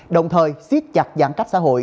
đồng thời xích chặt giãn cách xã hội